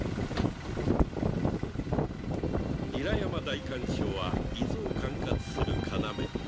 韮山代官所は伊豆を管轄する要。